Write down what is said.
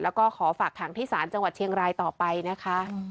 แล้วก็ขอฝากขังที่ศาลจังหวัดเชียงรายต่อไปนะคะ